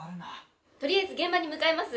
とりあえず現場に向かいます。